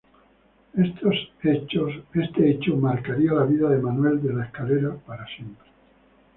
Este hecho marcaría la vida de Manuel de la Escalera para siempre.